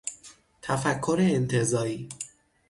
تفکر انتزاعی